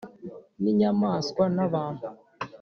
n’inyamaswa na bantu